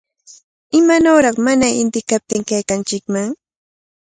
¡Imanawraq mana inti kaptin kaykanchikman!